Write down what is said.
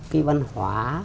cái văn hóa